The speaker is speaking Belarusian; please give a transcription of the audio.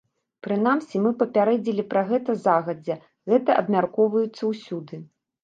Прынамсі мы папярэдзілі пра гэта загадзя, гэта абмяркоўваецца ўсюды.